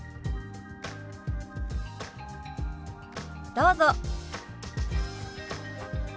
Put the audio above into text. どうぞ。